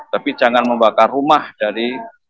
tapi jangan membakar rumah dari